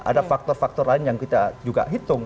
ada faktor faktor lain yang kita juga hitung